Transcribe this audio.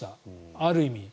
ある意味。